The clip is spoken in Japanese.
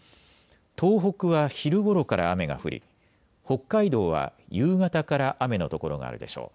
東北は昼ごろから雨が降り北海道は夕方から雨の所があるでしょう。